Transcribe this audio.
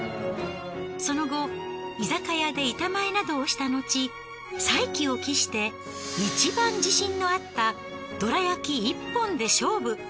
その後居酒屋で板前などをしたのち再起を期していちばん自信のあったどら焼き一本で勝負。